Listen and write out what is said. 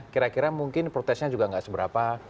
kira kira mungkin protesnya juga nggak seberapa